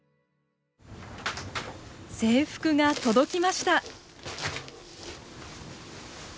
制服が届きました。